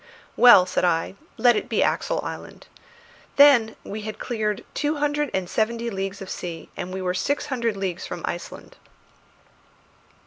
"Well," said I, "let it be Axel Island. Then we had cleared two hundred and seventy leagues of sea, and we were six hundred leagues from Iceland."